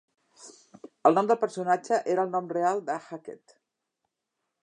El nom del personatge era el nom real de Hackett.